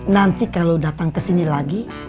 nanti kalau datang ke sini lagi